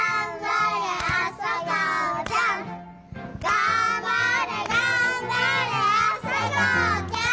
がんばれがんばれあさがおちゃん！